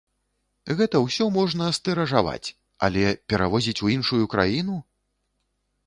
Гэта ўсё можна стыражаваць, але перавозіць у іншую краіну?